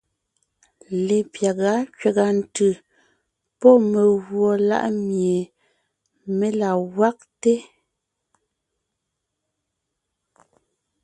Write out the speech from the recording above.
Lepyága kẅàga ntʉ̀ pɔ́ megùɔ láʼ mie mé la gwagte.